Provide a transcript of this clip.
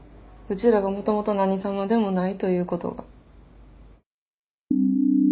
うちらがもともと何様でもないということが。